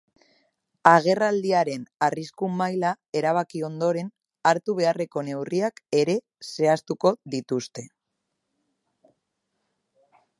Agerraldiaren arrisku maila erabaki ondoren, hartu beharreko neurriak ere zehaztuko dituzte.